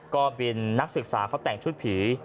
ก็เป็นนักศึกษาเขาแต่งชุดผี